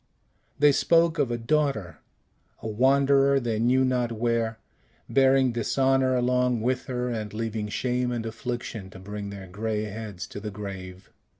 They spoke of a daughter, a wanderer they knew not where, bearing dishonor along with her, and leaving shame and affliction to bring their gray heads to the grave.